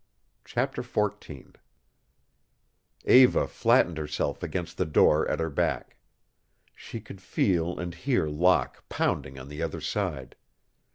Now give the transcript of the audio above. CHAPTER XIV Eva flattened herself against the door at her back. She could feel and hear Locke pounding on the other side.